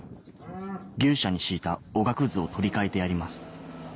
牛舎に敷いたおがくずを取り換えてやります